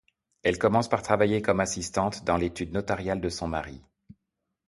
Elle commence par travailler comme assistante dans l'étude notariale de son mari.